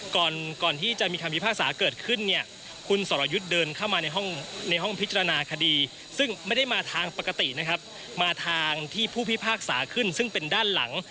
ก่อนที่จะมีคำพิพากษาเกิดขึ้นเนี่ยคุณสรยุทธ์เดินเข้ามาในห้องในห้องพิจารณาคดีซึ่งไม่ได้มาทางปกตินะครับมาทางที่ผู้พิพากษาขึ้นซึ่งเป็นด้านหลัง